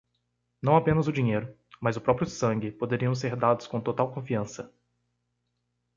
Não apenas o dinheiro, mas o próprio sangue, poderiam ser dados com total confiança.